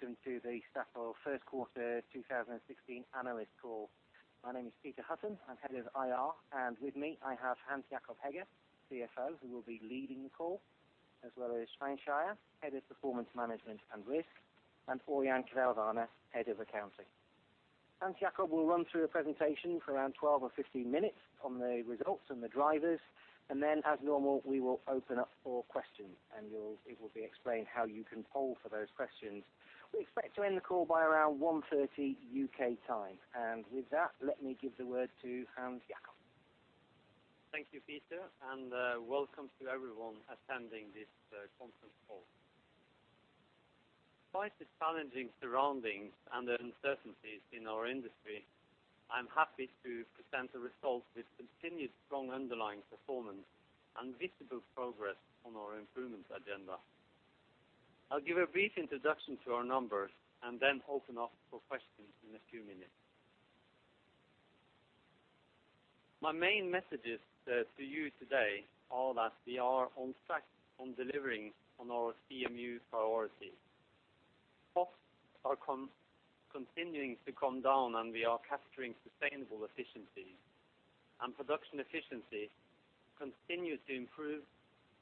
Welcome to the Statoil first quarter 2016 analyst call. My name is Peter Hutton. I'm Head of IR, and with me I have Hans Jakob Hegge, CFO, who will be leading the call, as well as Svein Skeie, Head of Performance Management and Risk, and Ørjan Kvelvane, Head of Accounting. Hans Jakob Hegge will run through a presentation for around 12 or 15 minutes on the results and the drivers, and then as normal, we will open up for questions and it will be explained how you can poll for those questions. We expect to end the call by around 1:30 UK time. With that, let me give the word to Hans Jakob. Thank you, Peter, and welcome to everyone attending this conference call. Quite the challenging surroundings and the uncertainties in our industry, I'm happy to present the results with continued strong underlying performance and visible progress on our improvement agenda. I'll give a brief introduction to our numbers and then open up for questions in a few minutes. My main messages to you today are that we are on track on delivering on our CMD priorities. Costs are continuing to come down, and we are capturing sustainable efficiencies. Production efficiency continues to improve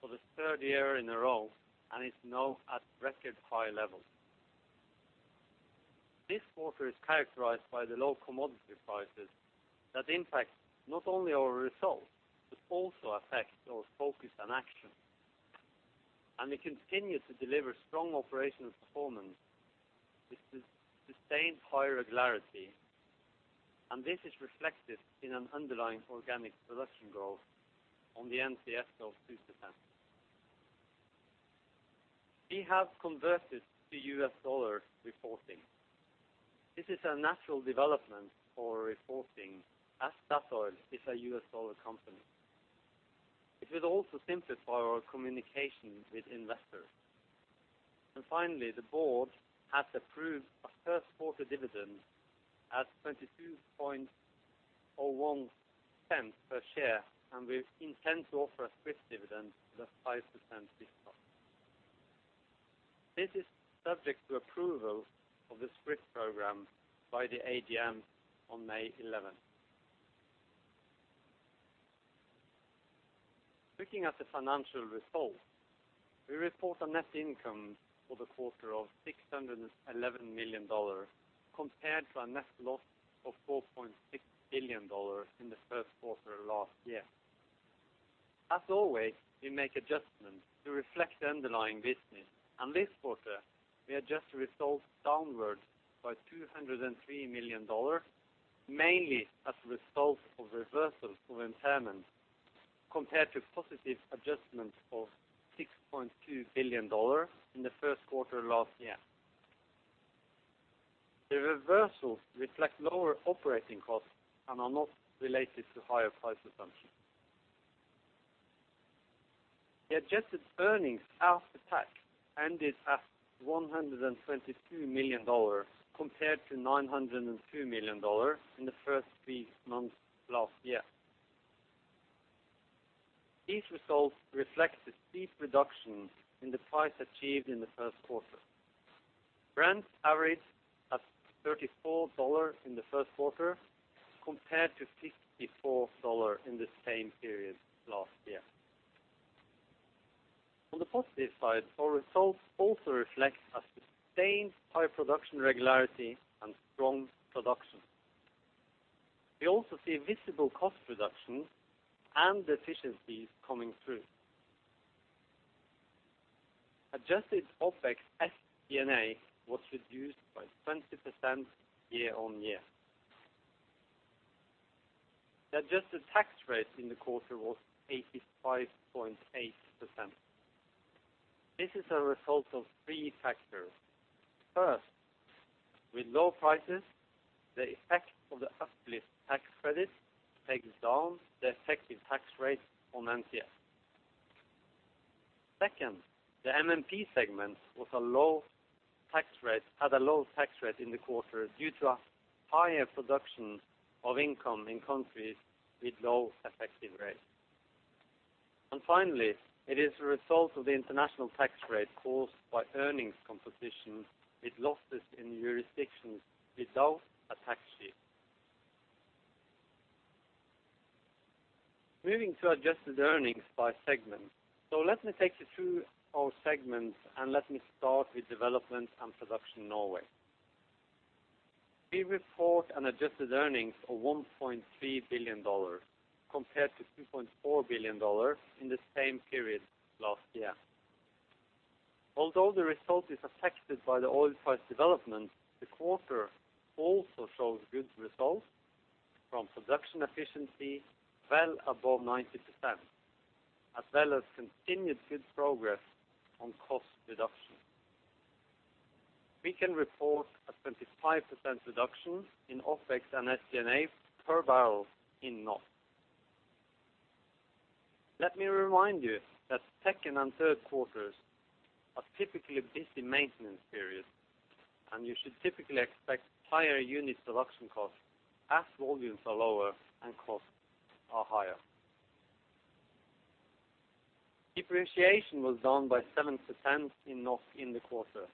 for the third year in a row and is now at record high levels. This quarter is characterized by the low commodity prices that impact not only our results, but also affect our focus and action. We continue to deliver strong operational performance with sustained high regularity, and this is reflected in an underlying organic production growth on the NCS of 2%. We have converted to U.S. dollar reporting. This is a natural development for reporting as Statoil is a U.S. dollar company. It will also simplify our communication with investors. Finally, the board has approved a first quarter dividend at $0.2201 per share, and we intend to offer a scrip dividend with a 5% discount. This is subject to approval of the scrip program by the AGM on May eleventh. Looking at the financial results, we report a net income for the quarter of $611 million compared to a net loss of $4.6 billion in the first quarter of last year. As always, we make adjustments to reflect the underlying business, and this quarter we adjust the results downward by $203 million, mainly as a result of reversals of impairment compared to positive adjustments of $6.2 billion in the first quarter last year. The reversals reflect lower operating costs and are not related to higher price assumptions. The adjusted earnings after tax ended at $122 million compared to $902 million in the first three months of last year. These results reflect the steep reduction in the price achieved in the first quarter. Brent averaged $34 in the first quarter compared to $54 in the same period last year. On the positive side, our results also reflect a sustained high production regularity and strong production. We also see visible cost reductions and efficiencies coming through. Adjusted OpEx & SG&A was reduced by 20% year-on-year. The adjusted tax rate in the quarter was 85.8%. This is a result of three factors. First, with low prices, the effect of the uplift tax credit takes down the effective tax rate on NCS. Second, the MMP segment had a low tax rate in the quarter due to a higher proportion of income in countries with low effective rates. Finally, it is a result of the international tax rate caused by earnings composition with losses in jurisdictions without a tax shield. Moving to adjusted earnings by segment. Let me take you through our segments and let me start with development and production Norway. We report an adjusted earnings of $1.3 billion compared to $2.4 billion in the same period last year. Although the result is affected by the oil price development, the quarter also shows good results from production efficiency well above 90%, as well as continued good progress on cost reduction. We can report a 25% reduction in OpEx and SG&A per barrel in North. Let me remind you that second and third quarters are typically busy maintenance periods, and you should typically expect higher unit production costs as volumes are lower and costs are higher. Depreciation was down by 7% in North in the quarter.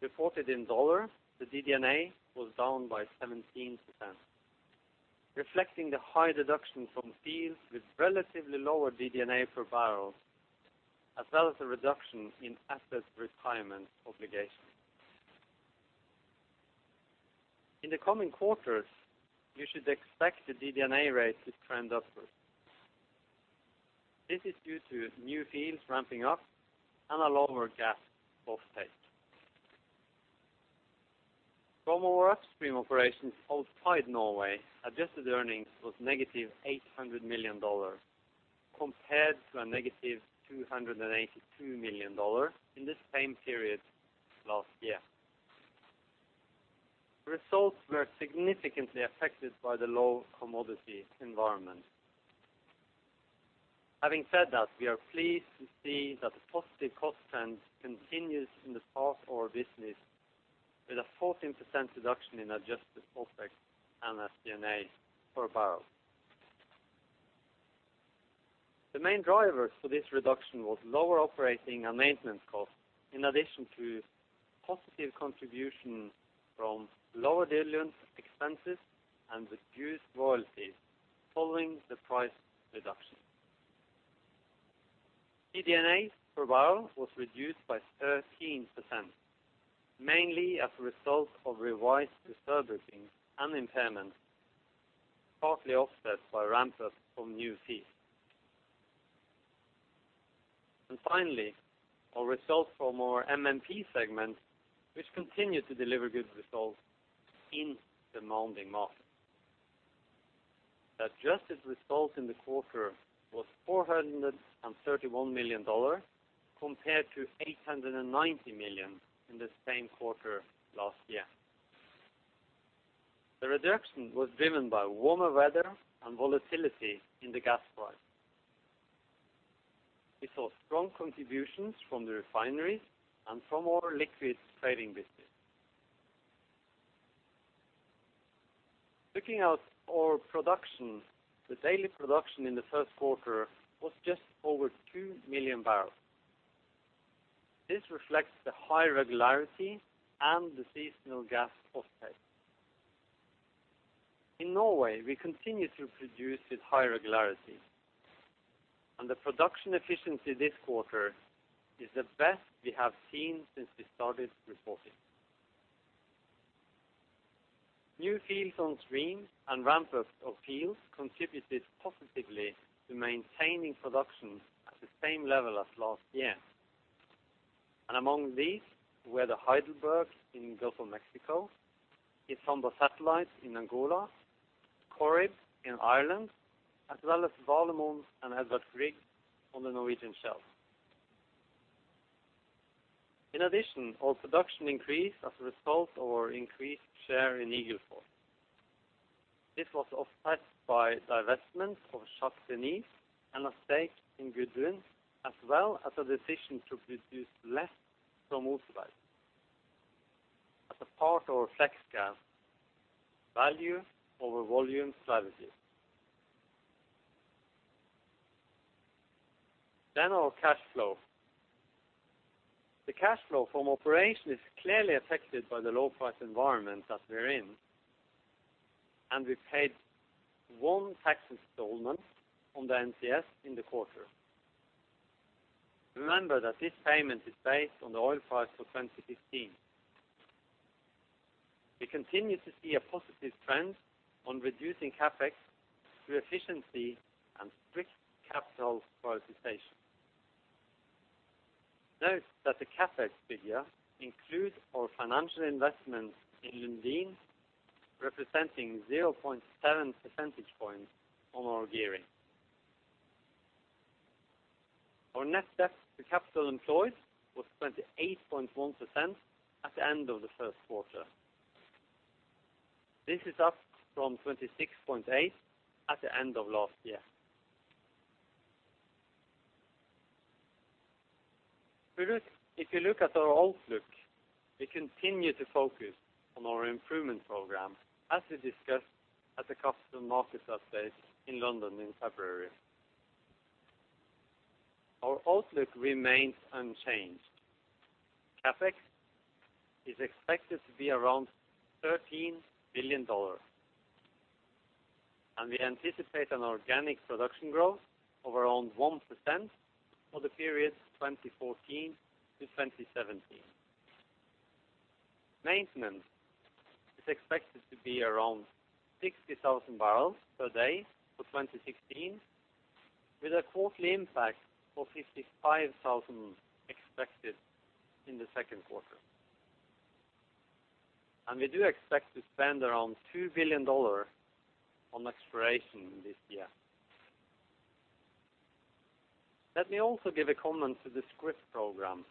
Reported in dollars, the DD&A was down by 17%, reflecting the high deduction from fields with relatively lower DD&A per barrel, as well as a reduction in asset retirement obligation. In the coming quarters, you should expect the DD&A rate to trend upwards. This is due to new fields ramping up and a lower gas offtake. From our upstream operations outside Norway, adjusted earnings was negative $800 million compared to a negative $282 million in the same period last year. Results were significantly affected by the low commodity environment. Having said that, we are pleased to see that the positive cost trend continues in the path of our business with a 14% reduction in adjusted OpEx and SG&A per barrel. The main drivers for this reduction was lower operating and maintenance costs, in addition to positive contribution from lower leasing expenses and reduced royalties following the price reduction. DD&A per barrel was reduced by 13%, mainly as a result of revised depreciation and impairment, partly offset by ramp-ups from new fields. Our results for more MMP segments, which continued to deliver good results in demanding markets. The adjusted results in the quarter was $431 million compared to $890 million in the same quarter last year. The reduction was driven by warmer weather and volatility in the gas price. We saw strong contributions from the refineries and from our liquid trading business. Looking at our production, the daily production in the first quarter was just over 2 million barrels. This reflects the high regularity and the seasonal gas off-take. In Norway, we continue to produce with high regularity. The production efficiency this quarter is the best we have seen since we started reporting. New fields on stream and ramp-ups of fields contributed positively to maintaining production at the same level as last year. Among these were the Heidelberg in Gulf of Mexico, Kizomba Sat. In Angola, Corrib in Ireland, as well as Valemon and Edvard Grieg on the Norwegian shelf. In addition, our production increased as a result of our increased share in Eagle Ford. This was offset by divestment of Shah Deniz and a stake in Gudrun, as well as a decision to produce less from Oseberg, as a part of our Flexgas value over volume strategies. Our cash flow. The cash flow from operations is clearly affected by the low price environment that we're in, and we paid 1 tax installment on the NCS in the quarter. Remember that this payment is based on the oil price for 2015. We continue to see a positive trend on reducing CapEx through efficiency and strict capital prioritization. Note that the CapEx figure includes our financial investment in Lundin, representing 0.7 percentage points on our gearing. Our net debt to capital employed was 28.1% at the end of the first quarter. This is up from 26.8% at the end of last year. If you look at our outlook, we continue to focus on our improvement program as we discussed at the capital markets update in London in February. Our outlook remains unchanged. CapEx is expected to be around $13 billion. We anticipate an organic production growth of around 1% for the period 2014 to 2017. Maintenance is expected to be around 60,000 barrels per day for 2016, with a quarterly impact of 55,000 expected in the second quarter. We do expect to spend around $2 billion on exploration this year. Let me also give a comment to the scrip program.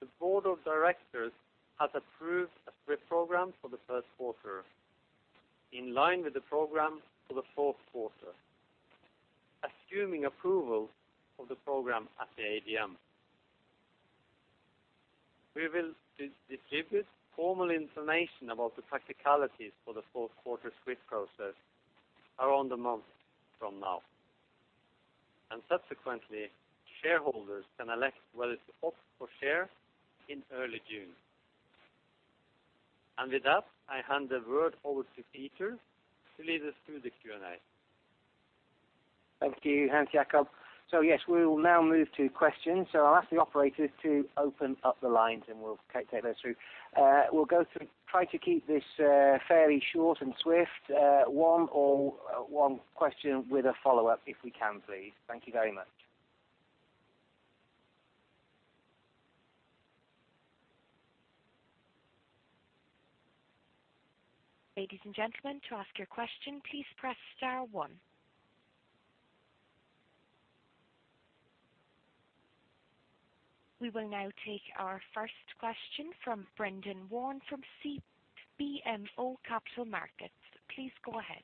The board of directors has approved a scrip program for the first quarter in line with the program for the fourth quarter, assuming approval of the program at the AGM. We will distribute formal information about the practicalities for the fourth quarter scrip process around a month from now. Subsequently, shareholders can elect whether to opt for shares in early June. With that, I hand the word over to Peter to lead us through the Q&A. Thank you, Hans Jakob. Yes, we will now move to questions. I'll ask the operator to open up the lines, and we'll take those through. We'll go through. Try to keep this fairly short and swift. One question with a follow-up if we can, please. Thank you very much. Ladies and gentlemen, to ask your question, please press star one. We will now take our first question from Brendan Warn from BMO Capital Markets. Please go ahead.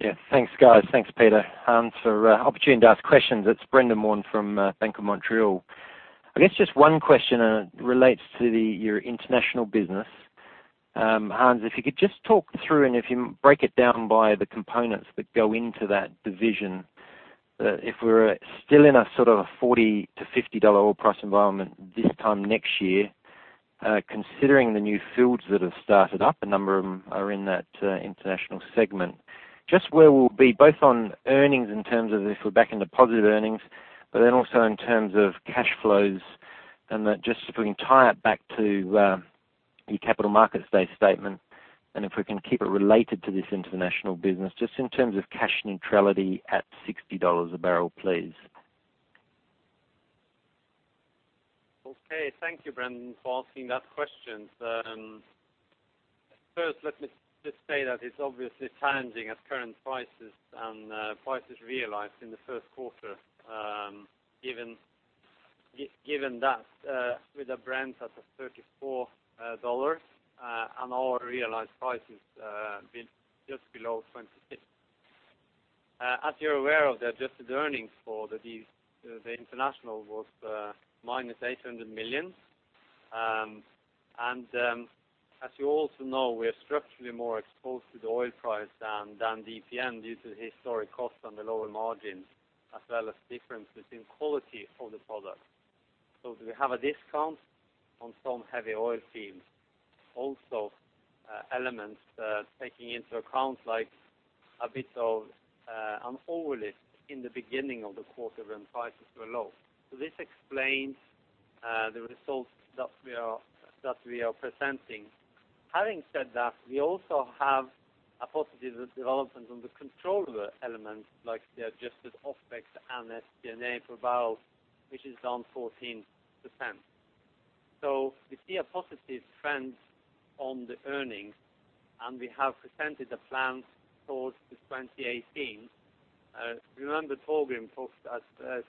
Yeah. Thanks, guys. Thanks, Peter. Hans, for opportunity to ask questions. It's Brendan Warn from Bank of Montreal. I guess just one question, and it relates to your international business. Hans, if you could just talk through, and if you break it down by the components that go into that division, if we're still in a sort of a $40-$50 oil price environment this time next year, considering the new fields that have started up, a number of them are in that international segment. Just where we'll be both on earnings in terms of if we're back into positive earnings, but then also in terms of cash flows, and that just if we can tie it back to your Capital Markets Day statement, and if we can keep it related to this international business, just in terms of cash neutrality at $60 a barrel, please. Okay. Thank you, Brendan, for asking that question. First, let me just say that it's obviously challenging at current prices and prices realized in the first quarter, given that, with the Brent at $34, and our realized price is just below $26. As you're aware of the adjusted earnings for the international was -$800 million. As you also know, we are structurally more exposed to the oil price than DPN due to the historic cost and the lower margins, as well as difference between quality of the product. Do we have a discount on some heavy oil fields? Also, elements taking into account like a bit of an overlift in the beginning of the quarter when prices were low. This explains the results that we are presenting. Having said that, we also have a positive development on the controllable elements like the adjusted OpEx and SG&A per barrel, which is down 14%. We see a positive trend on the earnings, and we have presented the plans towards 2018. Remember Torgrim talked at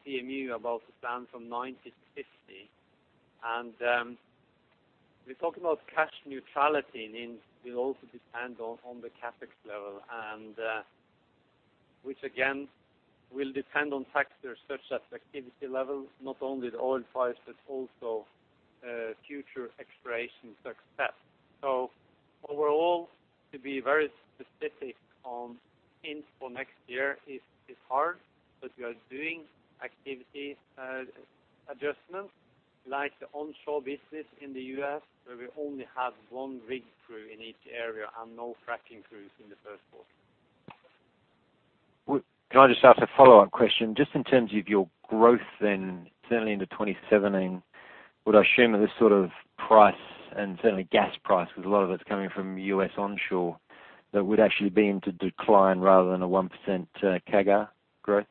CMD about the plan from 90 to 50. We talk about cash neutrality, means will also depend on the CapEx level and which again will depend on factors such as activity levels, not only the oil price, but also future exploration success. Overall, to be very specific on hints for next year is hard, but we are doing activity adjustments like the onshore business in the U.S., where we only have one rig crew in each area and no fracking crews in the first quarter. Can I just ask a follow-up question? Just in terms of your growth then, certainly into 2017, would I assume that this sort of price and certainly gas price, because a lot of it's coming from US onshore, that would actually be into decline rather than a 1% CAGR growth?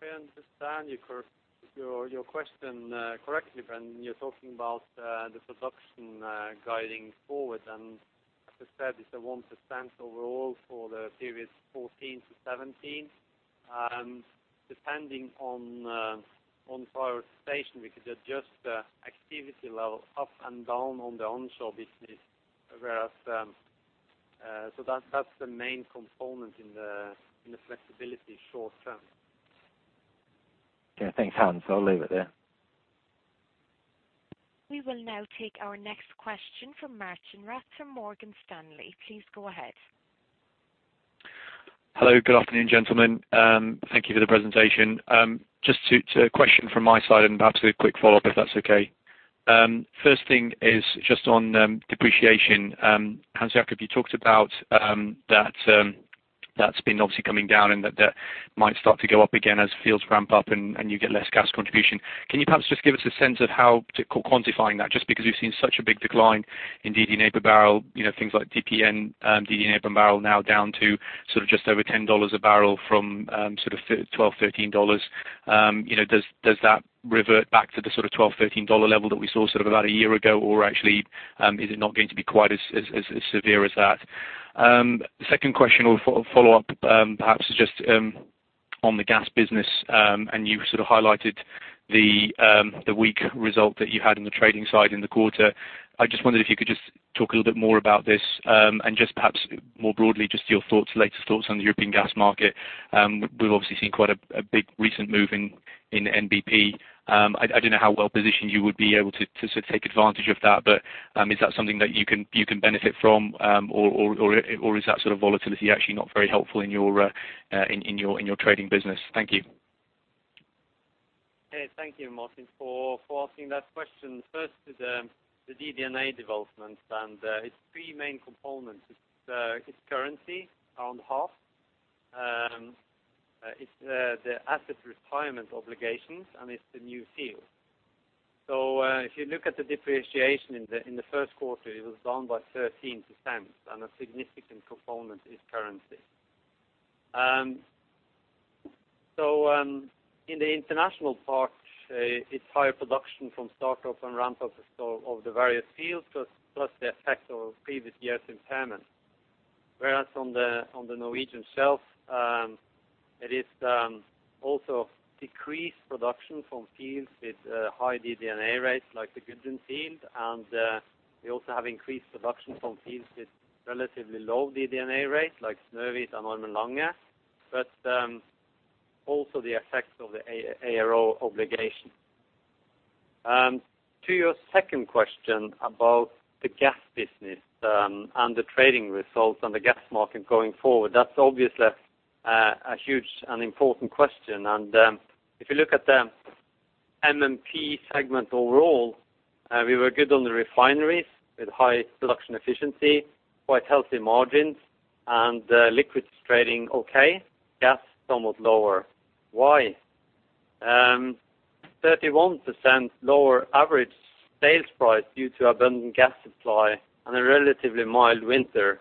If I understand your question correctly, Brendan, you're talking about the production guidance forward. As I said, it's 1% overall for the period 2014 to 2017. Depending on price scenario, we could adjust the activity level up and down on the onshore business, whereas that's the main component in the flexibility short term. Yeah. Thanks, Hans. I'll leave it there. We will now take our next question from Martijn Rats from Morgan Stanley. Please go ahead. Hello. Good afternoon, gentlemen. Thank you for the presentation. Just a question from my side and perhaps a quick follow-up, if that's okay. First thing is just on depreciation. Hans Jakob, you talked about that that's been obviously coming down and that might start to go up again as fields ramp up and you get less gas contribution. Can you perhaps just give us a sense of how to quantify that, just because we've seen such a big decline in DD&A per barrel, you know, things like DPN, DD&A per barrel now down to sort of just over $10 a barrel from sort of $12-$13. You know, does that revert back to the sort of $12-$13 level that we saw sort of about a year ago? Actually, is it not going to be quite as severe as that? The second question or follow-up, perhaps is just, On the gas business, and you sort of highlighted the weak result that you had in the trading side in the quarter. I just wondered if you could just talk a little bit more about this, and just perhaps more broadly, just your thoughts, latest thoughts on the European gas market. We've obviously seen quite a big recent move in NBP. I don't know how well-positioned you would be able to sort of take advantage of that, but is that something that you can benefit from? Or is that sort of volatility actually not very helpful in your trading business? Thank you. Hey, thank you, Martijn, for asking that question. First is the DD&A development, and it's three main components. It's currency, around half. It's the asset retirement obligations, and it's the new field. If you look at the depreciation in the first quarter, it was down by 13%, and a significant component is currency. In the international part, it's higher production from start up and ramp up of the various fields plus the effect of previous years' impairment. Whereas on the Norwegian shelf, it is also decreased production from fields with high DD&A rates like the Gudrun field. We also have increased production from fields with relatively low DD&A rates like Snøhvit and Ormen Lange. Also the effects of the ARO obligation. To your second question about the gas business, and the trading results on the gas market going forward, that's obviously a huge and important question. If you look at the MMP segment overall, we were good on the refineries with high production efficiency, quite healthy margins, and liquids trading okay. Gas, somewhat lower. Why? 31% lower average sales price due to abundant gas supply and a relatively mild winter.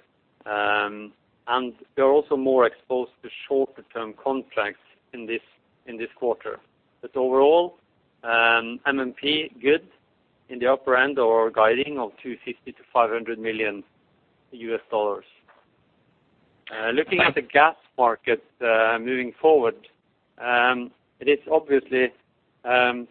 We're also more exposed to shorter-term contracts in this quarter. Overall, MMP good in the upper end or guiding of $250 million-$500 million. Looking at the gas market moving forward, it is obviously a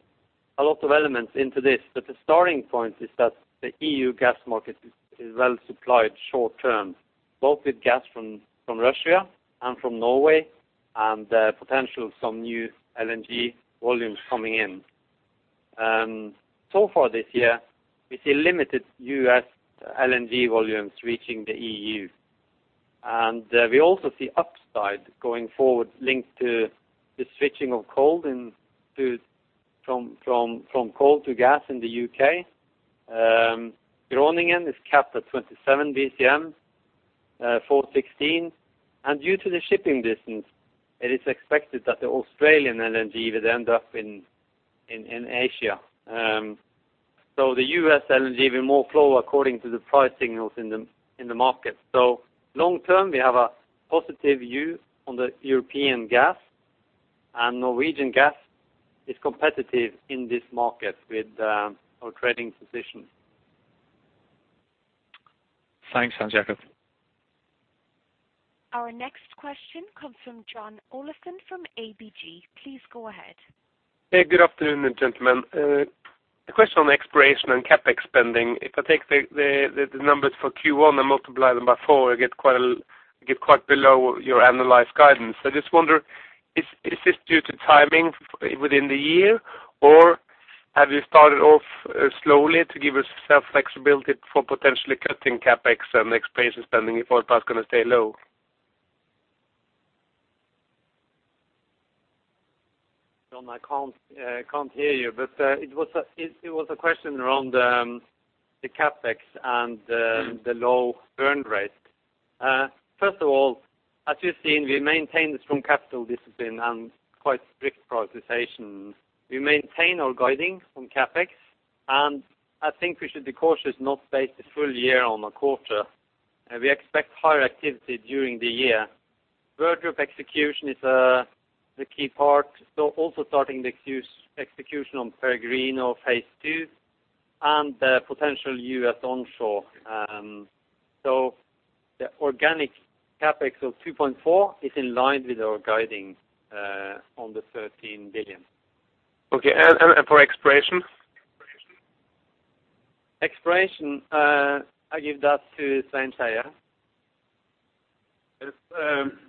lot of elements into this. The starting point is that the EU gas market is well supplied short-term, both with gas from Russia and from Norway, and the potential of some new LNG volumes coming in. So far this year, we see limited US LNG volumes reaching the EU. We also see upside going forward linked to the switching from coal to gas in the UK. Groningen is capped at 27 BCM since 2016. Due to the shipping distance, it is expected that the Australian LNG will end up in Asia. The US LNG will more flow according to the price signals in the market. Long term, we have a positive view on the European gas. Norwegian gas is competitive in this market with our trading position. Thanks, Hans Jakob. Our next question comes from John Olaisen from ABG. Please go ahead. Hey, good afternoon, gentlemen. A question on exploration and CapEx spending. If I take the numbers for Q1 and multiply them by 4, I get quite below your analyst guidance. I just wonder, is this due to timing within the year? Or have you started off slowly to give yourself flexibility for potentially cutting CapEx and exploration spending if oil price gonna stay low? John, I can't hear you. But it was a question around the CapEx and the low burn rate. First of all, as you've seen, we maintain the strong capital discipline and quite strict prioritization. We maintain our guiding on CapEx. I think we should be cautious not to base the full year on a quarter. We expect higher activity during the year. Sverdrup execution is the key part. So also starting the execution on Peregrino of phase two and the potential U.S. onshore. So the organic CapEx of $2.4 billion is in line with our guiding on the $13 billion. Okay. For exploration? Exploration, I give that to Svein Skeie. Yes,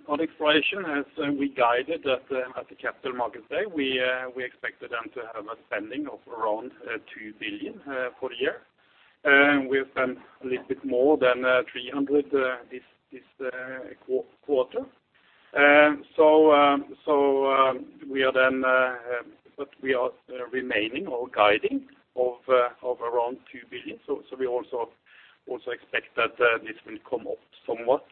on exploration, as we guided at the Capital Markets Day, we expected to have a spending of around $2 billion for the year. We have spent a little bit more than $300 million this quarter. We are maintaining our guidance of around $2 billion. We also expect that this will pick up somewhat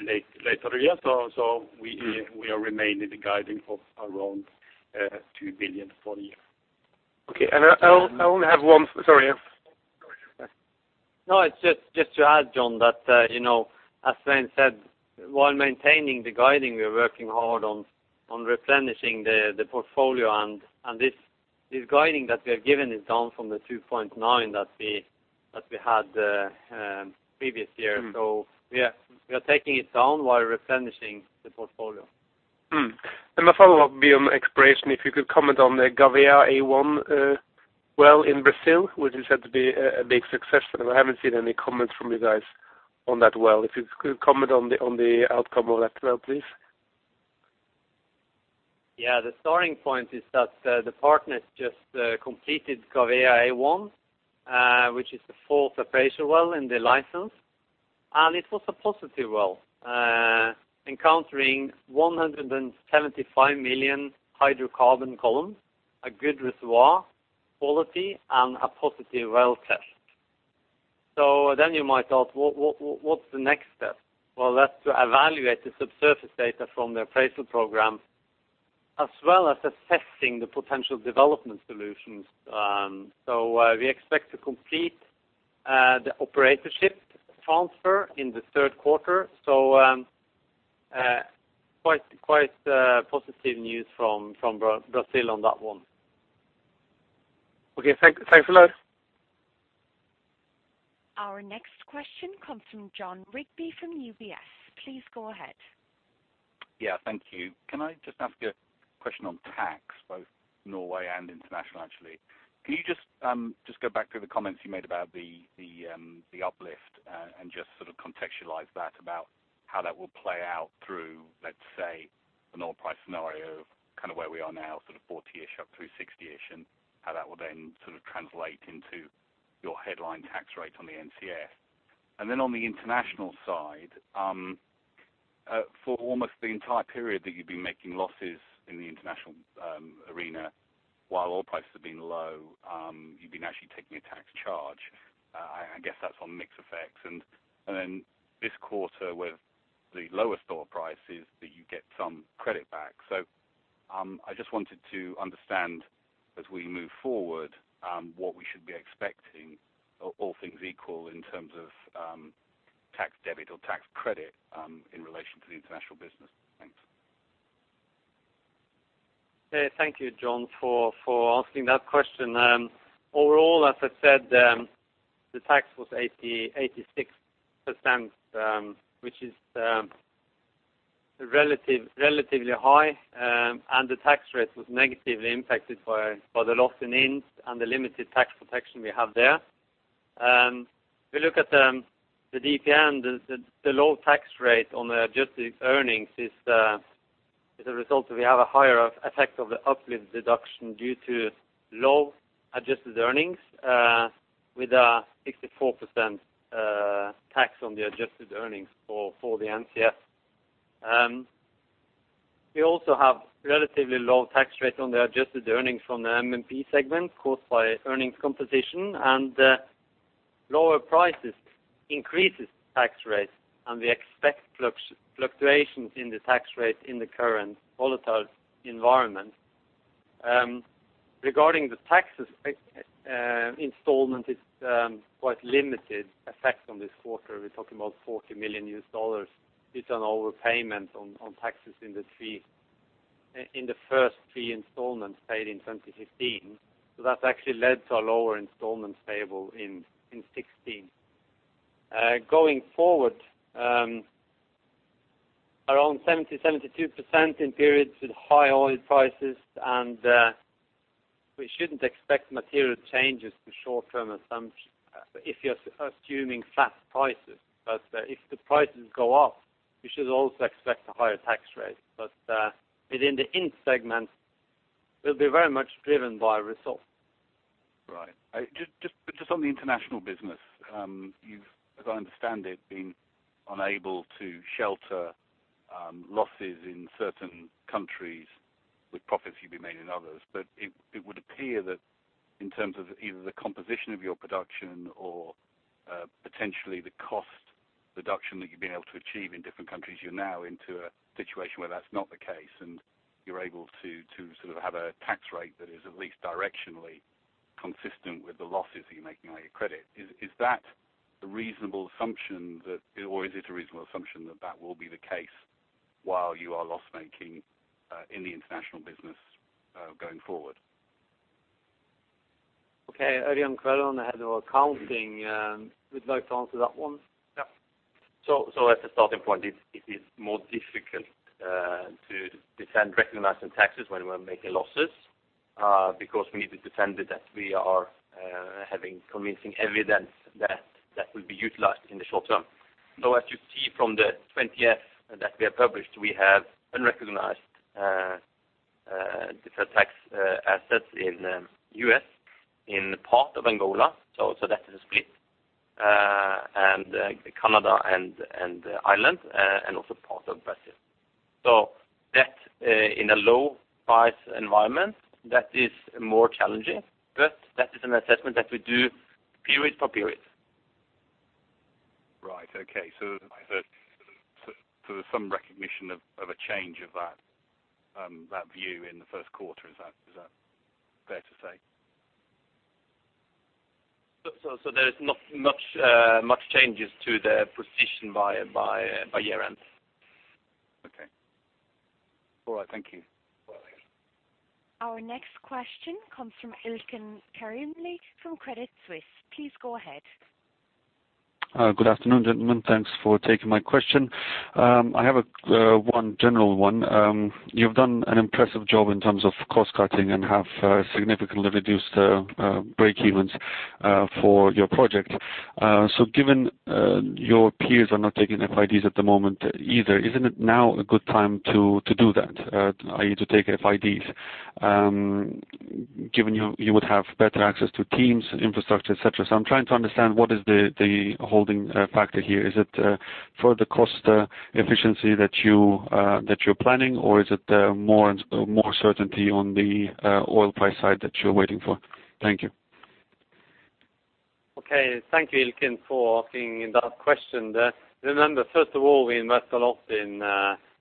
later in the year. Mm-hmm. We are maintaining the guidance of around 2 billion for the year. Okay. I only have one. Sorry Hans. No, it's just to add, John, that you know, as Svein said, while maintaining the guidance, we are working hard on replenishing the portfolio. This guidance that we have given is down from the 2.9 that we had previous year. Mm-hmm. We are taking it down while replenishing the portfolio. My follow-up would be on exploration, if you could comment on the Gavea A1 well in Brazil, which is said to be a big success. I haven't seen any comments from you guys on that well. If you could comment on the outcome of that well, please. Yeah. The starting point is that the partners just completed Gavea A1, which is the fourth appraisal well in the license. It was a positive well, encountering 175 million hydrocarbon columns, a good reservoir quality and a positive well test. You might ask, what's the next step? Well, that's to evaluate the subsurface data from the appraisal program, as well as assessing the potential development solutions. We expect to complete the operatorship transfer in the third quarter. Quite positive news from Brazil on that one. Okay. Thanks a lot. Our next question comes from Jon Rigby from UBS. Please go ahead. Yeah, thank you. Can I just ask a question on tax, both Norway and international, actually? Can you just go back to the comments you made about the uplift and just sort of contextualize that about how that will play out through, let's say, an oil price scenario of kind of where we are now, sort of 40-ish up through 60-ish, and how that will then sort of translate into your headline tax rate on the NCS. On the international side, for almost the entire period that you've been making losses in the international arena while oil prices have been low, you've been actually taking a tax charge. I guess that's on mix effects. This quarter with the lowest oil prices that you get some credit back. I just wanted to understand as we move forward, what we should be expecting, all things equal, in terms of tax debit or tax credit, in relation to the international business. Thanks. Yeah, thank you, John, for asking that question. Overall, as I said, the tax was 86%, which is relatively high. The tax rate was negatively impacted by the loss in EPI and the limited tax protection we have there. If you look at the DPN, the low tax rate on the adjusted earnings is a result of we have a higher effect of the uplift deduction due to low adjusted earnings, with a 64% tax on the adjusted earnings for the NCS. We also have relatively low tax rates on the adjusted earnings from the MMP segment caused by earnings composition. Lower prices increases tax rates, and we expect fluctuations in the tax rate in the current volatile environment. Regarding the taxes installment, it's quite limited effect on this quarter. We're talking about $40 million based on our payment on taxes in the first three installments paid in 2015. That's actually led to a lower installment payable in 2016. Going forward, around 72% in periods with high oil prices, and we shouldn't expect material changes to short-term assumptions if you're assuming flat prices. But if the prices go up, we should also expect a higher tax rate. But within the EPI segment, we'll be very much driven by results. Just on the international business, you've, as I understand it, been unable to shelter losses in certain countries with profits you've made in others. It would appear that in terms of either the composition of your production or potentially the cost reduction that you've been able to achieve in different countries, you're now into a situation where that's not the case, and you're able to sort of have a tax rate that is at least directionally consistent with the losses that you're making on your EBIT. Is that a reasonable assumption? Or is it a reasonable assumption that that will be the case while you are loss-making in the international business going forward? Okay. Ørjan Kvelvane, Head of Accounting, would like to answer that one. Yeah. As a starting point, it is more difficult to defend recognizing taxes when we're making losses, because we need to defend that we are having convincing evidence that will be utilized in the short term. As you see from the 20-F that we have published, we have unrecognized different tax assets in U.S., in part of Angola, so that is a split. And Canada and Ireland, and also part of Brazil. That, in a low price environment, is more challenging. That is an assessment that we do period to period. Right. Okay. I heard sort of some recognition of a change of that view in the first quarter. Is that fair to say? There is not much changes to the position by year-end. Okay. All right, thank you. Welcome. Our next question comes from Ilkin Karimli from Credit Suisse. Please go ahead. Good afternoon, gentlemen. Thanks for taking my question. I have one general one. You've done an impressive job in terms of cost-cutting and have significantly reduced breakevens for your project. Given your peers are not taking FIDs at the moment either, isn't it now a good time to do that? I mean to take FIDs. Given you would have better access to teams, infrastructure, et cetera. I'm trying to understand what is the holding factor here. Is it further cost efficiency that you're planning, or is it more certainty on the oil price side that you're waiting for? Thank you. Okay. Thank you, Ilkin, for asking that question. Remember, first of all, we invest a lot in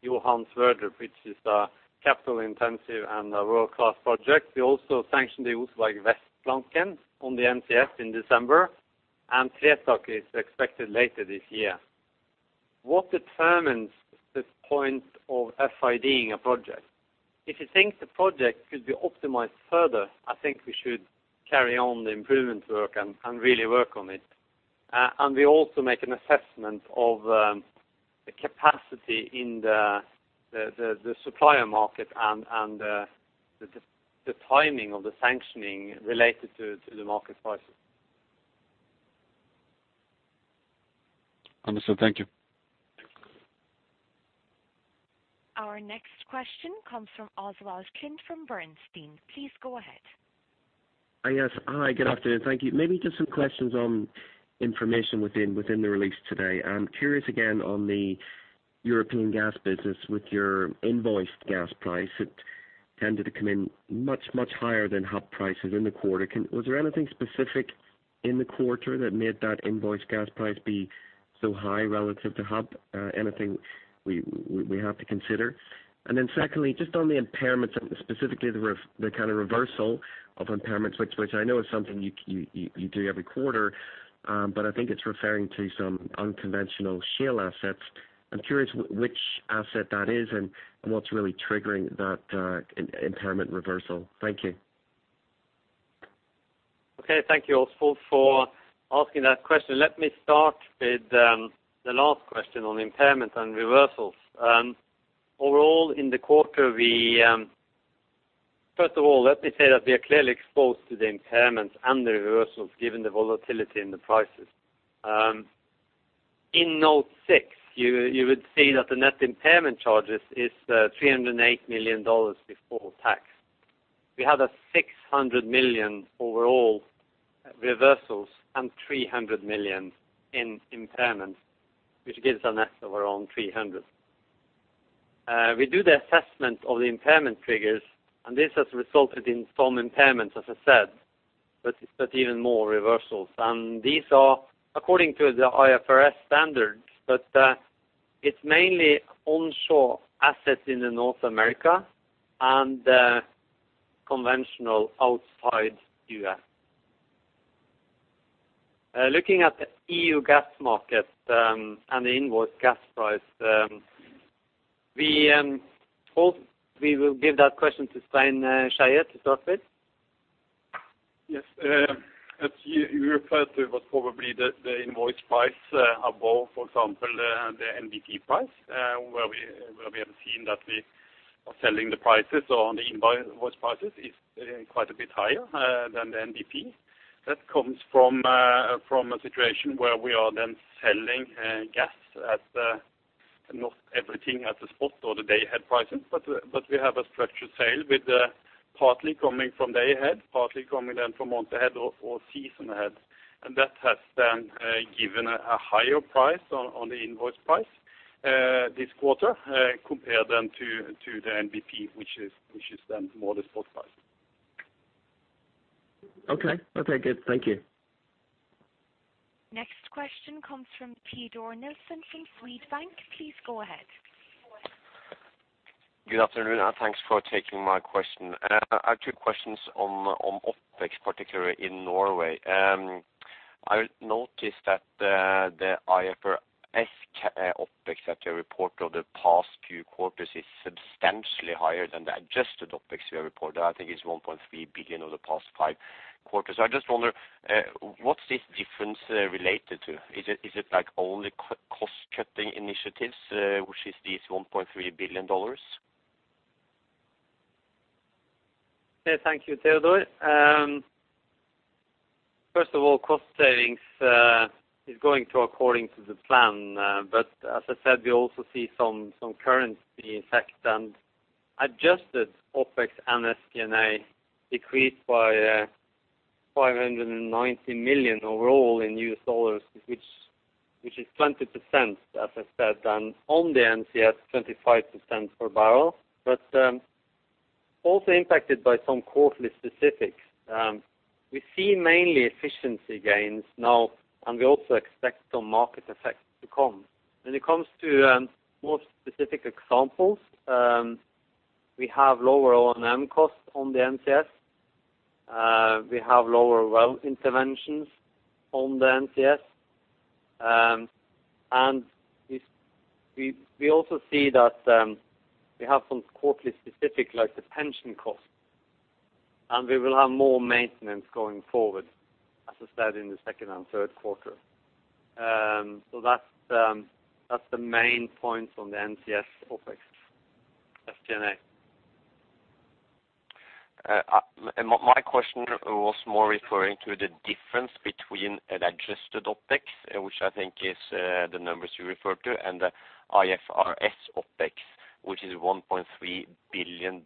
Johan Sverdrup, which is a capital-intensive and a world-class project. We also sanctioned the Utgard plan head on the NCS in December, and Trestakk is expected later this year. What determines the point of FIDing a project? If you think the project could be optimized further, I think we should carry on the improvement work and really work on it. We also make an assessment of the capacity in the supplier market and the timing of the sanctioning related to the market prices. Understood. Thank you. Our next question comes from Oswald Clint from Bernstein. Please go ahead. Yes. Hi, good afternoon. Thank you. Maybe just some questions on information within the release today. I'm curious again on the European gas business with your invoiced gas price. It tended to come in much higher than hub prices in the quarter. Was there anything specific in the quarter that made that invoiced gas price be so high relative to hub, anything we have to consider? Secondly, just on the impairments and specifically the kind of reversal of impairments, which I know is something you do every quarter. I think it's referring to some unconventional shale assets. I'm curious which asset that is and what's really triggering that impairment reversal. Thank you. Okay, thank you, Oswald, for asking that question. Let me start with the last question on impairment and reversals. Overall in the quarter, we first of all let me say that we are clearly exposed to the impairments and the reversals given the volatility in the prices. In note 6, you would see that the net impairment charges is $308 million before tax. We have $600 million overall reversals and $300 million in impairments, which gives a net of around $300 million. We do the assessment of the impairment triggers, and this has resulted in some impairments, as I said, but even more reversals. These are according to the IFRS standards, but it's mainly onshore assets in North America and conventional outside U.S. Looking at the EU gas market and the inverse gas price, we hope we will give that question to Svein Skeie to start with. Yes. As you referred to what probably the invoice price above, for example, the NBP price, where we have seen that we are selling the prices on the invoice prices is quite a bit higher than the NBP. That comes from a situation where we are then selling gas at not everything at the spot or the day-ahead prices, but we have a structured sale with partly coming from day-ahead, partly coming then from month-ahead or season-ahead. That has then given a higher price on the invoice price this quarter compared then to the NBP, which is more the spot price. Okay. Okay, good. Thank you. Next question comes from Teodor Nilsen from Swedbank. Please go ahead. Good afternoon, and thanks for taking my question. I have two questions on OpEx, particularly in Norway. I noticed that the IFRS OpEx that you report over the past few quarters is substantially higher than the adjusted OpEx you have reported. I think it's $1.3 billion over the past five quarters. I just wonder what's this difference related to? Is it like only cost-cutting initiatives, which is this $1.3 billion dollars? Yeah, thank you, Teodor. First of all, cost savings is going according to the plan. As I said, we also see some currency effect and adjusted OpEx and SG&A decreased by $590 million overall in US dollars which is 20%, as I said, and on the NCS, 25% per barrel. Also impacted by some quarterly specifics. We see mainly efficiency gains now, and we also expect some market effects to come. When it comes to more specific examples, we have lower O&M costs on the NCS. We have lower well interventions on the NCS. We also see that we have some quarterly specific, like the pension cost, and we will have more maintenance going forward, as I said, in the second and third quarter. That's the main points on the NCS OpEx. SG&A. My question was more referring to the difference between an adjusted OpEx, which I think is the numbers you referred to, and the IFRS OpEx, which is $1.3 billion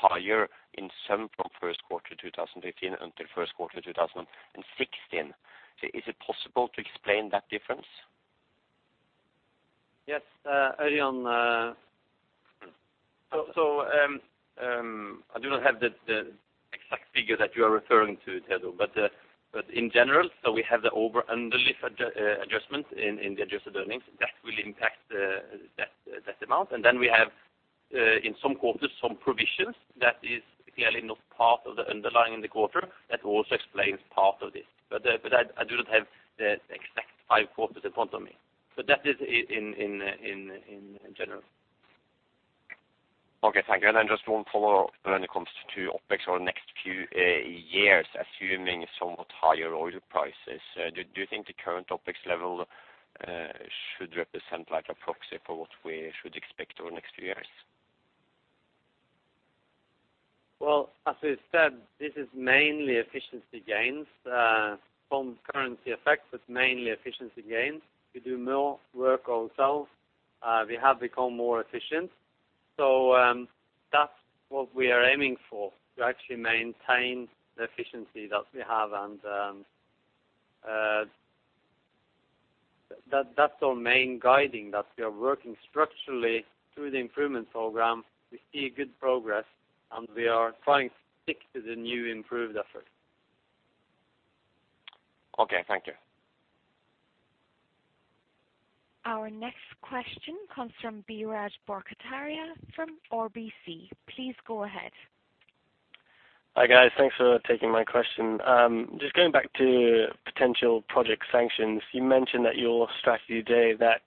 higher in sum from first quarter 2015 until first quarter 2016. Is it possible to explain that difference? Yes, early on. I do not have the exact figure that you are referring to, Teodor. In general, we have the over-under lift adjustment in the adjusted earnings that will impact that amount. Then we have in some quarters, some provisions that is clearly not part of the underlying in the quarter. That also explains part of this. I do not have the exact five quarters in front of me. That is in general. Okay, thank you. Just one follow when it comes to OpEx over the next few years, assuming somewhat higher oil prices. Do you think the current OpEx level should represent like a proxy for what we should expect over the next few years? As we said, this is mainly efficiency gains from currency effects, but mainly efficiency gains. We do more work ourselves. We have become more efficient. That's what we are aiming for, to actually maintain the efficiency that we have. That's our main guiding, that we are working structurally through the improvement program. We see good progress, and we are trying to stick to the new improved effort. Okay, thank you. Our next question comes from Biraj Borkhataria from RBC. Please go ahead. Hi, guys. Thanks for taking my question. Just going back to potential project sanctions. You mentioned at your strategy day that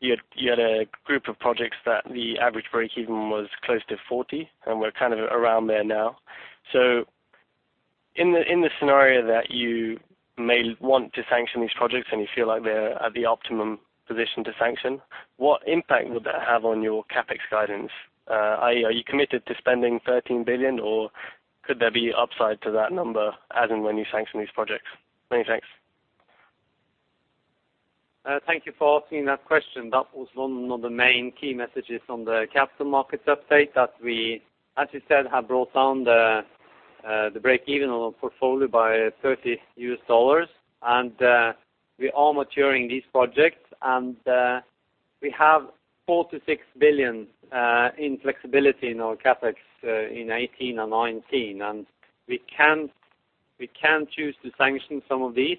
you had a group of projects that the average breakeven was close to 40, and we're kind of around there now. In the scenario that you may want to sanction these projects and you feel like they're at the optimum position to sanction, what impact would that have on your CapEx guidance? Are you committed to spending $13 billion, or could there be upside to that number as in when you sanction these projects? Many thanks. Thank you for asking that question. That was one of the main key messages from the capital markets update that we, as you said, have brought down the breakeven on our portfolio by $30. We are maturing these projects, and we have $4 billion-$6 billion in flexibility in our CapEx in 2018 and 2019. We can choose to sanction some of these,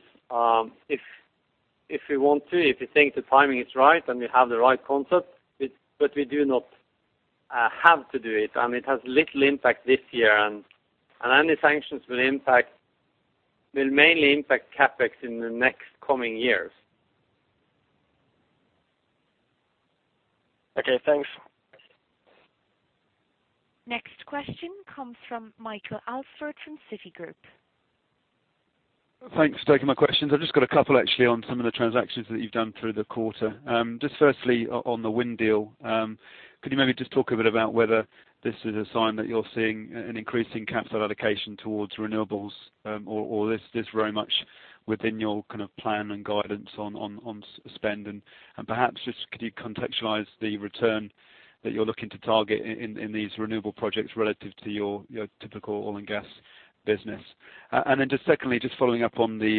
if we want to, if we think the timing is right and we have the right concept, but we do not have to do it. It has little impact this year. Any sanctions will mainly impact CapEx in the next coming years. Okay, thanks. Next question comes from Michael Alsford from Citigroup. Thanks for taking my questions. I've just got a couple actually on some of the transactions that you've done through the quarter. Just firstly, on the wind deal, could you maybe just talk a bit about whether this is a sign that you're seeing an increase in capital allocation towards renewables, or this is very much within your kind of plan and guidance on spend? Perhaps just could you contextualize the return that you're looking to target in these renewable projects relative to your typical oil and gas business? Just secondly, just following up on the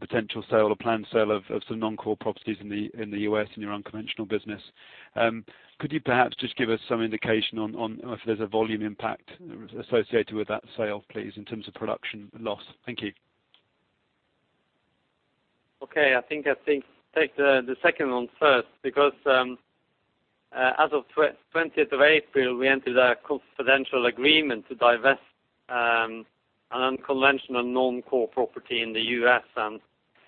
potential sale or planned sale of some non-core properties in the U.S. in your unconventional business. Could you perhaps just give us some indication on if there's a volume impact associated with that sale, please, in terms of production loss? Thank you. I think take the second one first, because as of the twentieth of April, we entered a confidential agreement to divest an unconventional non-core property in the U.S., and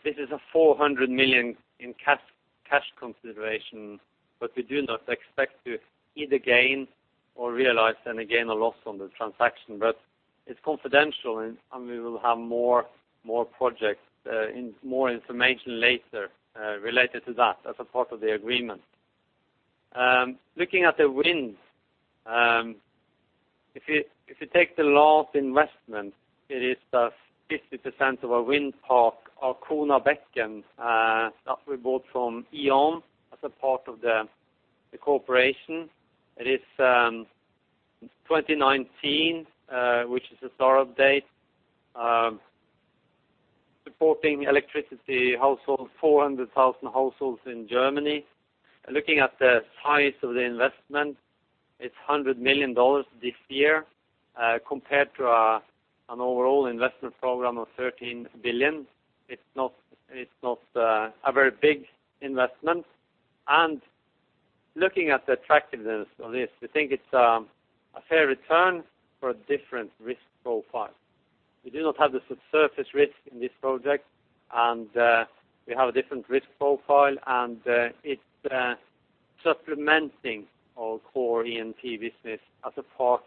this is $400 million in cash consideration. We do not expect to realize either a gain or a loss on the transaction. It's confidential and we will have more projects and more information later related to that as a part of the agreement. Looking at the wind, if you take the large investment, it is the 50% of our wind park, Arkona Becken Südost, that we bought from E.ON as a part of the cooperation. It is 2019, which is the start-up date, supporting electricity for 400,000 households in Germany. Looking at the size of the investment, it's $100 million this year, compared to an overall investment program of $13 billion, it's not a very big investment. Looking at the attractiveness of this, we think it's a fair return for a different risk profile. We do not have the subsurface risk in this project, and we have a different risk profile, and it's supplementing our core E&P business as a part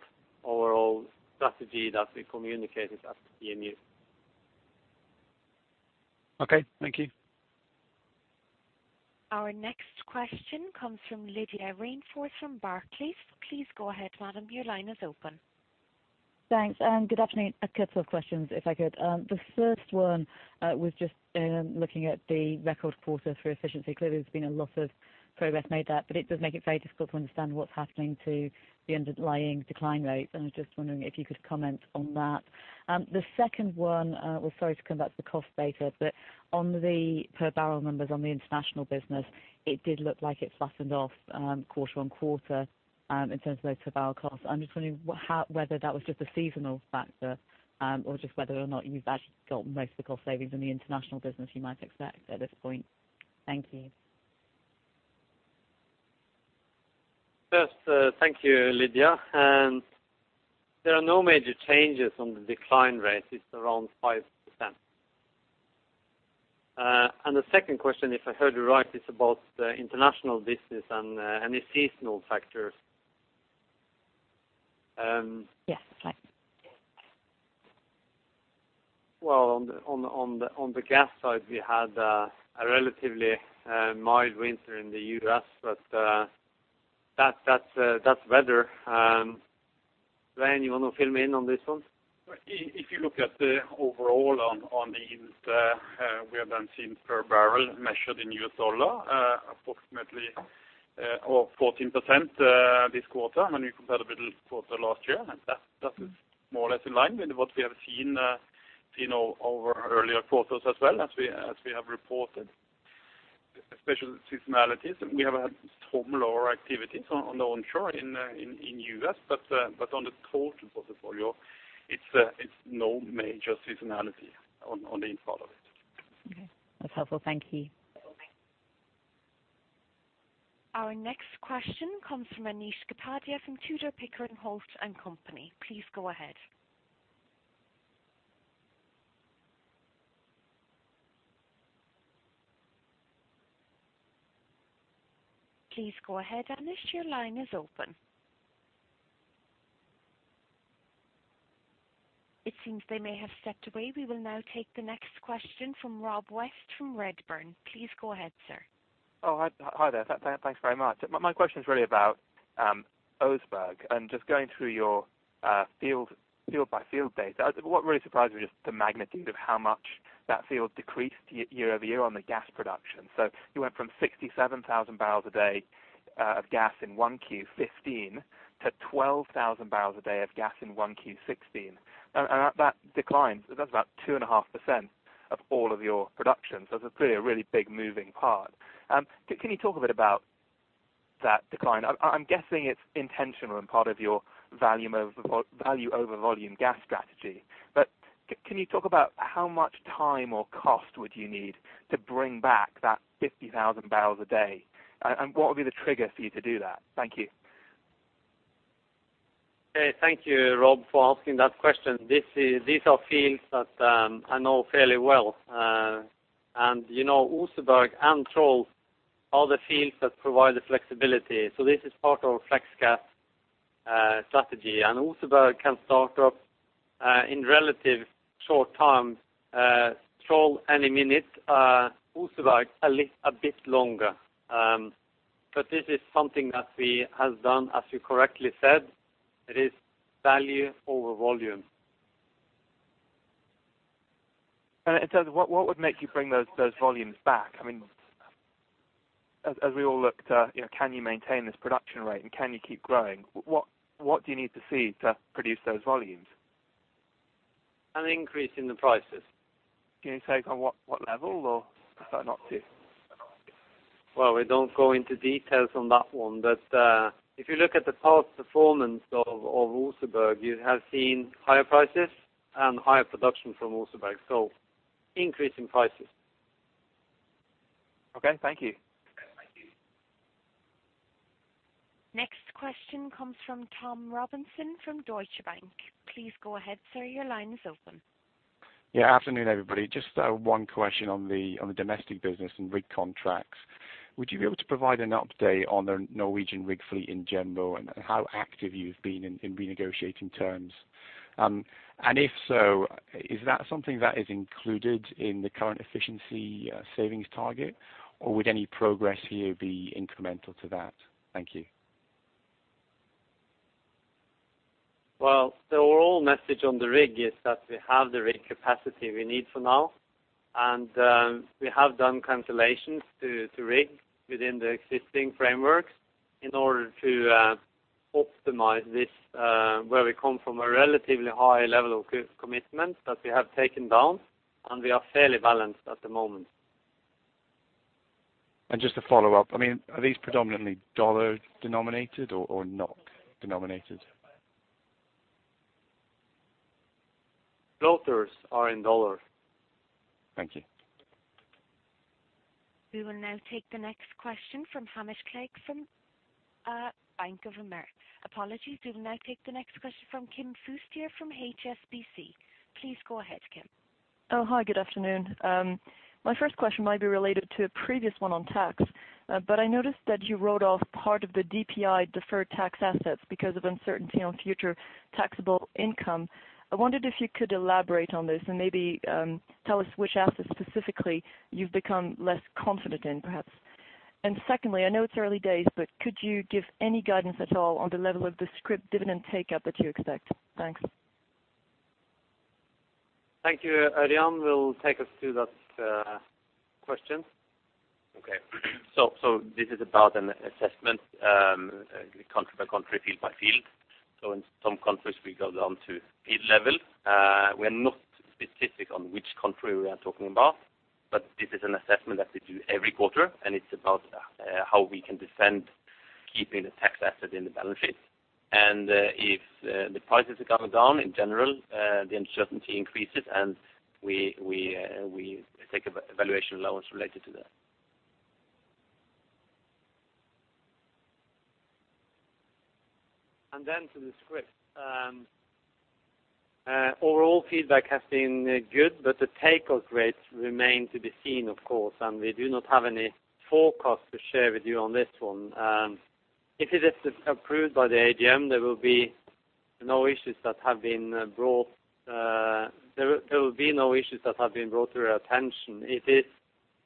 overall strategy that we communicated at the CMD. Okay, thank you. Our next question comes from Lydia Rainforth from Barclays. Please go ahead, madam. Your line is open. Thanks, good afternoon. A couple of questions if I could. The first one was just looking at the record quarter for efficiency. Clearly, there's been a lot of progress made there, but it does make it very difficult to understand what's happening to the underlying decline rates. I'm just wondering if you could comment on that. The second one, well, sorry to come back to the cost data, but on the per barrel numbers on the international business, it did look like it softened off, quarter-on-quarter, in terms of those per barrel costs. I'm just wondering whether that was just a seasonal factor, or just whether or not you've actually got most of the cost savings in the international business you might expect at this point. Thank you. First, thank you, Lydia. There are no major changes on the decline rate. It's around 5%. The second question, if I heard you right, is about the international business and any seasonal factors. Yes, that's right. Well, on the gas side, we had a relatively mild winter in the U.S. That's weather. Svein, you wanna fill me in on this one? If you look at the overall, we have down since per barrel measured in U.S. dollars approximately 14% this quarter when you compare the middle quarter last year. That is more or less in line with what we have seen, you know, over earlier quarters as well as we have reported. Especially seasonalities, we have had some lower activities on the onshore in U.S. On the total portfolio, it's no major seasonality on the overall of it. Okay. That's helpful. Thank you. Our next question comes from Anish Kapadia from Tudor, Pickering, Holt & Company. Please go ahead. Please go ahead, Anish. Your line is open. It seems they may have stepped away. We will now take the next question from Rob West from Redburn. Please go ahead, sir. Oh, hi. Hi there. Thanks very much. My question is really about Oseberg. Just going through your field-by-field data, what really surprised me was just the magnitude of how much that field decreased year-over-year on the gas production. You went from 67,000 barrels a day of gas in 1Q2015 to 12,000 barrels a day of gas in 1Q2016. That decline. That's about 2.5% of all of your production. It's clearly a really big moving part. Can you talk a bit about that decline? I'm guessing it's intentional and part of your value over volume gas strategy. Can you talk about how much time or cost would you need to bring back that 50,000 barrels a day? What would be the trigger for you to do that? Thank you. Okay. Thank you, Rob, for asking that question. These are fields that I know fairly well. You know Oseberg and Troll are the fields that provide the flexibility. This is part of our Flexgas strategy. Oseberg can start up in relatively short time, Troll any minute, Oseberg a bit longer. This is something that we have done, as you correctly said. It is value over volume. What would make you bring those volumes back? I mean, as we all look to, you know, can you maintain this production rate and can you keep growing, what do you need to see to produce those volumes? An increase in the prices. Can you say on what level or prefer not to? Well, we don't go into details on that one. If you look at the past performance of Oseberg, you have seen higher prices and higher production from Oseberg. Increase in prices. Okay. Thank you. Next question comes from Tom Robinson from Deutsche Bank. Please go ahead, sir. Your line is open. Yeah. Afternoon, everybody. Just one question on the domestic business and rig contracts. Would you be able to provide an update on the Norwegian rig fleet in general and how active you've been in renegotiating terms? If so, is that something that is included in the current efficiency savings target, or would any progress here be incremental to that? Thank you. Well, the overall message on the rig is that we have the rig capacity we need for now. We have done cancellations to rig within the existing frameworks in order to optimize this, where we come from a relatively high level of co-commitments that we have taken down, and we are fairly balanced at the moment. Just to follow up, I mean, are these predominantly dollar denominated or NOK denominated? Both are in dollars. Thank you. We will now take the next question from Hamish Clegg from Bank of America. Apologies. We will now take the next question from Kim Fustier from HSBC. Please go ahead, Kim. Oh, hi, good afternoon. My first question might be related to a previous one on tax. I noticed that you wrote off part of the DPI deferred tax assets because of uncertainty on future taxable income. I wondered if you could elaborate on this and maybe, tell us which assets specifically you've become less confident in, perhaps. Secondly, I know it's early days, but could you give any guidance at all on the level of the scrip dividend take up that you expect? Thanks. Thank you. Ørjan will take us through that question. Okay. This is about an assessment, country by country, field by field. In some countries, we go down to field level. We're not specific on which country we are talking about, but this is an assessment that we do every quarter, and it's about how we can defend keeping the tax asset in the balance sheet. If the prices are coming down in general, the uncertainty increases and we take an evaluation allowance related to that. Then to the scrip. Overall feedback has been good, but the take-up rates remain to be seen, of course. We do not have any forecast to share with you on this one. If it is approved by the AGM, there will be no issues that have been brought to our attention. It is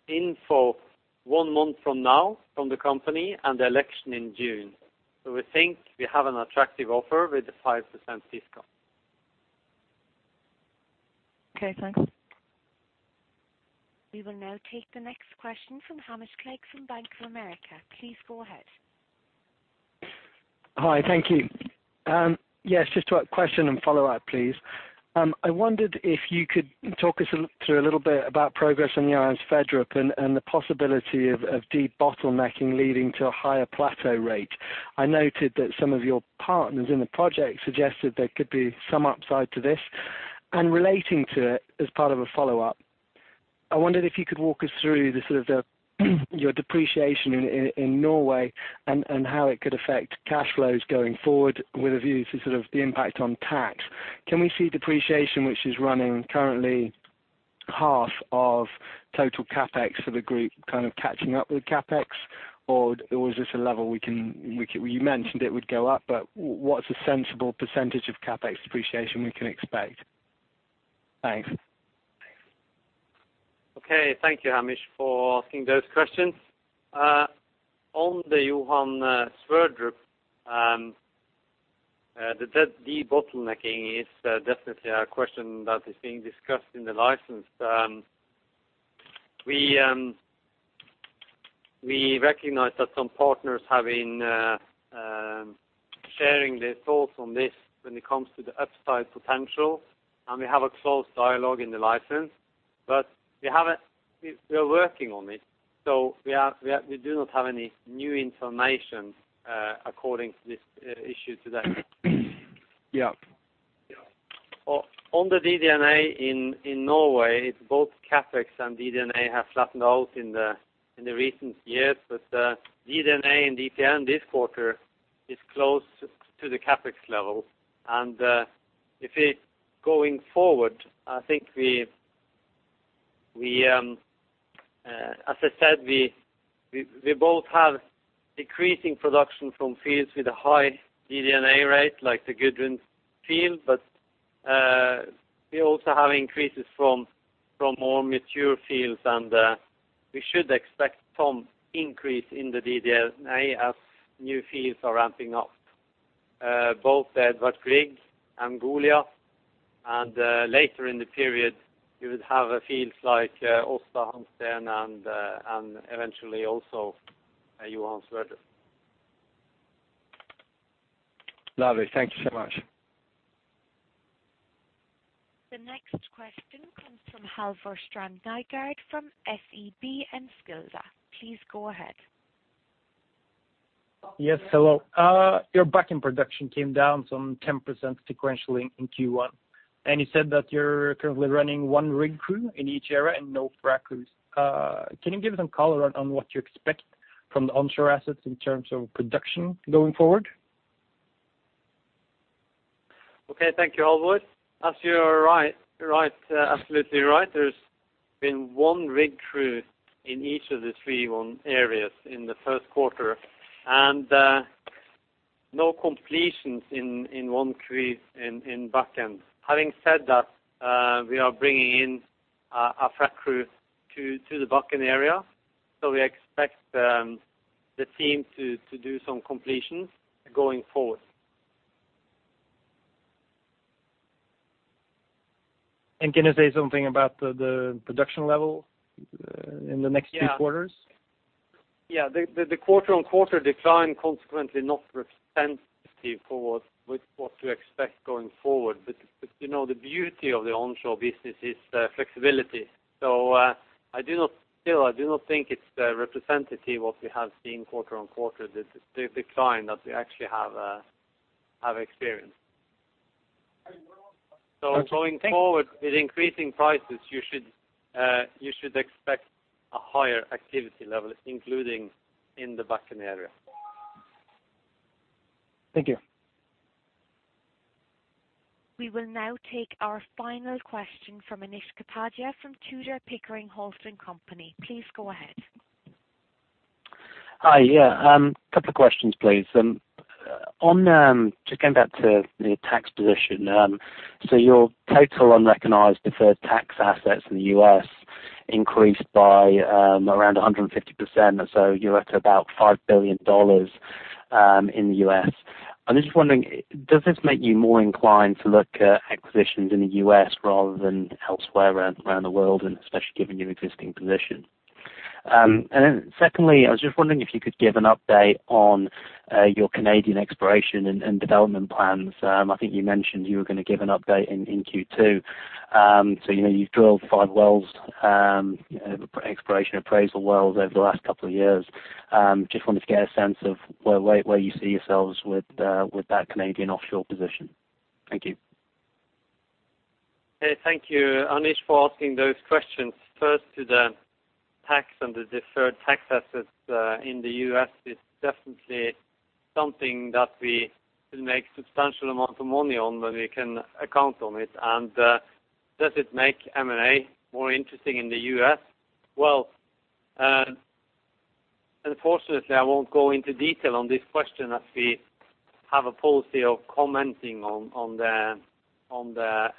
in for one month from now from the company and the election in June. We think we have an attractive offer with the 5% discount. Okay, thanks. We will now take the next question from Hamish Clegg from Bank of America. Please go ahead. Hi. Thank you. Yes, just a question and follow-up, please. I wondered if you could talk us through a little bit about progress on the Johan Sverdrup and the possibility of debottlenecking leading to a higher plateau rate. I noted that some of your partners in the project suggested there could be some upside to this. Relating to it, as part of a follow-up, I wondered if you could walk us through the sort of your depreciation in Norway and how it could affect cash flows going forward with a view to the impact on tax. Can we see depreciation, which is running currently half of total CapEx for the group, kind of catching up with CapEx? Or is this a level we can. You mentioned it would go up, but what's a sensible percentage of CapEx depreciation we can expect? Thanks. Okay. Thank you, Hamish, for asking those questions. On the Johan Sverdrup, the debottlenecking is definitely a question that is being discussed in the license. We recognize that some partners have been sharing their thoughts on this when it comes to the upside potential, and we have a close dialogue in the license, but we're working on it, so we do not have any new information according to this issue today. Yeah. On the DD&A in Norway, both CapEx and DD&A have flattened out in the recent years. DD&A and DPN this quarter is close to the CapEx level. If it's going forward, I think, as I said, we both have decreasing production from fields with a high DD&A rate, like the Gudrun field. We also have increases from more mature fields, and we should expect some increase in the DD&A as new fields are ramping up, both the Edvard Grieg and Goliat. Later in the period, you will have fields like Aasta Hansteen, and eventually also Johan Sverdrup. Lovely. Thank you so much. The next question comes from Halvor Strand Nygård from SEB Enskilda. Please go ahead. Yes, hello. Your Bakken production came down some 10% sequentially in Q1. You said that you're currently running one rig crew in each area and no frac crews. Can you give some color on what you expect from the onshore assets in terms of production going forward? Okay. Thank you, Halvor. As you are right, absolutely right. There's been one rig crew in each of the three one areas in the first quarter, and no completions in one crew in Bakken. Having said that, we are bringing in a frac crew to the Bakken area, so we expect the team to do some completions going forward. Can you say something about the production level in the next two quarters? Yeah. The quarter-on-quarter decline is consequently not representative of what to expect going forward. But you know, the beauty of the onshore business is flexibility. Still I do not think it's representative of what we have seen quarter on quarter, the decline that we actually have experienced. Going forward. Thank you. With increasing prices, you should expect a higher activity level, including in the Bakken area. Thank you. We will now take our final question from Anish Kapadia from Tudor, Pickering, Holt & Company. Please go ahead. Hi. Yeah. Couple of questions, please. On just going back to the tax position. So your total unrecognized deferred tax assets in the U.S. increased by around 150%. So you're at about $5 billion in the U.S. I'm just wondering, does this make you more inclined to look at acquisitions in the U.S. rather than elsewhere around the world, and especially given your existing position? And then secondly, I was just wondering if you could give an update on your Canadian exploration and development plans. I think you mentioned you were gonna give an update in Q2. So, you know, you've drilled 5 exploration appraisal wells over the last couple of years. Just wanted to get a sense of where you see yourselves with that Canadian offshore position. Thank you. Okay. Thank you, Anish, for asking those questions. First to the tax and the deferred tax assets in the U.S., it's definitely something that we could make substantial amount of money on when we can account on it. Does it make M&A more interesting in the U.S.? Well, unfortunately, I won't go into detail on this question, as we have a policy of commenting on the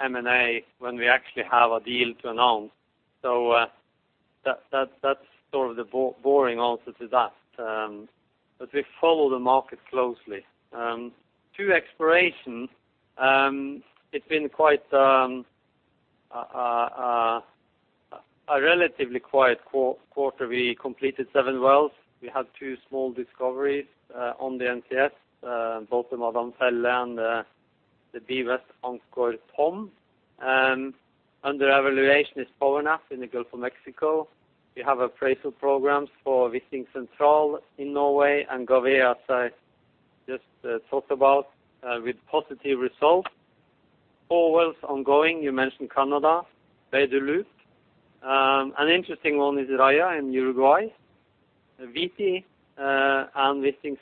M&A when we actually have a deal to announce. That's sort of the boring answer to that. We follow the market closely. To exploration, it's been quite a relatively quiet quarter. We completed seven wells. We have two small discoveries on the NCS, both the Madam Felle and the B-West Anghor Thom. Under evaluation is Power Nap in the Gulf of Mexico. We have appraisal programs for Wisting Central in Norway and Gavea I just talked about with positive results. Four wells ongoing, you mentioned Canada, Bay du Loup. An interesting one is Raya in Uruguay. Wisting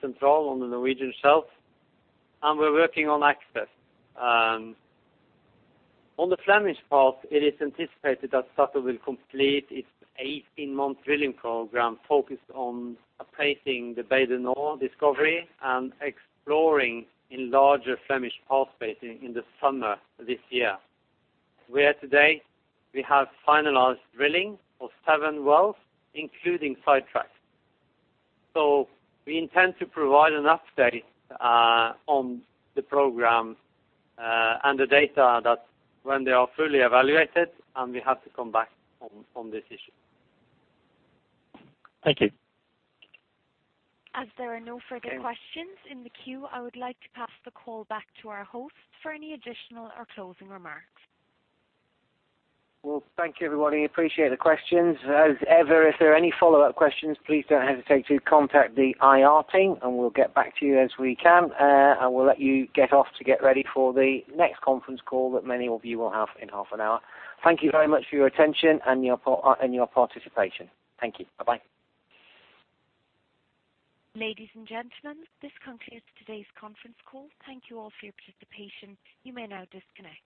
Central on the Norwegian shelf. We're working on access. On the Flemish Pass, it is anticipated that Equinor will complete its 18-month drilling program focused on appraising the Bay du Nord discovery and exploring in larger Flemish Pass Basin in the summer this year. Where today we have finalized drilling of seven wells, including sidetracks. We intend to provide an update on the programs and the data when they are fully evaluated, and we have to come back on this issue. Thank you. As there are no further questions in the queue, I would like to pass the call back to our host for any additional or closing remarks. Well, thank you, everybody. Appreciate the questions. As ever, if there are any follow-up questions, please don't hesitate to contact the IR team, and we'll get back to you as we can. I will let you get off to get ready for the next conference call that many of you will have in half an hour. Thank you very much for your attention and your participation. Thank you. Bye-bye. Ladies and gentlemen, this concludes today's conference call. Thank you all for your participation. You may now disconnect.